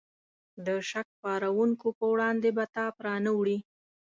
د شک پارونکو په وړاندې به تاب را نه وړي.